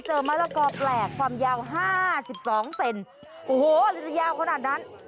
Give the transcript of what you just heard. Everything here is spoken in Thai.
เจอมะละก่อแปลกความยาว๕๒เซนโหจะยาวขนาดนั้น